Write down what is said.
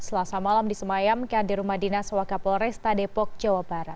selasa malam disemayamkan di rumah dinas wakapol resta depok jawa barat